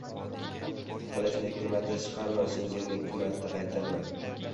• Qilichni ikki marta chiqarma, so‘zingni ikki marta qaytarma.